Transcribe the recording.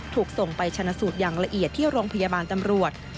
ถูกส่งไปชนะสูตรอย่างละเอียดที่โรงพยาบาลตำรวจ